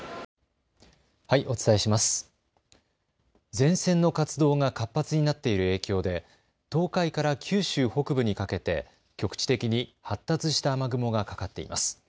前線の活動が活発になっている影響で東海から九州北部にかけて局地的に発達した雨雲がかかっています。